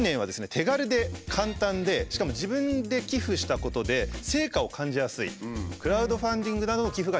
手軽で簡単でしかも自分で寄付したことで成果を感じやすいクラウドファンディングなどの寄付が人気になっていると。